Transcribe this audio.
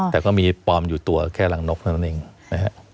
แต่ก็มีปลอมอยู่ตัวแค่หลังนกนั่นเองนะครับ